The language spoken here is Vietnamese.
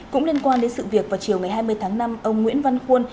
cũng liên quan đến sự việc vào chiều ngày hai mươi tháng năm ông nguyễn văn khuôn